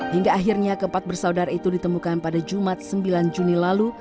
hingga akhirnya keempat bersaudara itu ditemukan pada jumat sembilan juni lalu